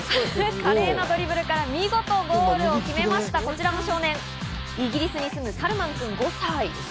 華麗なドリブルから見事ゴールを決めたこちらの少年、イギリスに住むサルマン君、５歳。